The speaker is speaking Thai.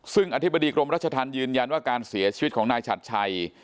ซึ่งอธิบดีกรมรัชธรรมยืนยันว่าการเสียชีวิตของนายฉัดชัย